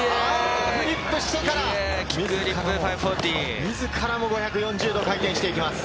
フリップしてから、自らも５４０度回転していきます。